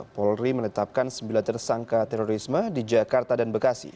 polri menetapkan sembilan tersangka terorisme di jakarta dan bekasi